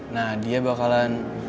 nah dia bakalan